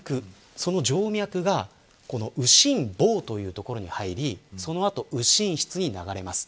その静脈が右心房というところに入りその後、右心室に流れます。